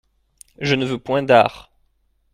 Je ne veux point d'art.